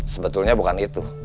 sebetulnya bukan itu